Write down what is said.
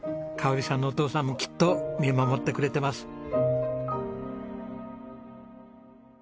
香織さんのお父さんもきっと見守ってくれてます。